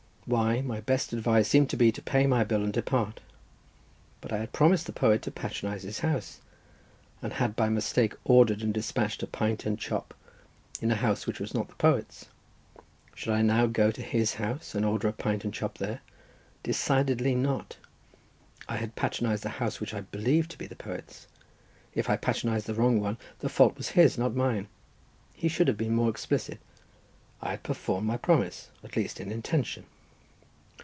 Why, my best advice seemed to be to pay my bill and depart. But I had promised the poet to patronise his house, and had by mistake ordered and despatched a pint and chop in a house which was not the poet's. Should I now go to his house and order a pint and chop there? Decidedly not! I had patronised a house which I believed to be the poet's; if I patronised the wrong one, the fault was his, not mine—he should have been more explicit. I had performed my promise, at least in intention.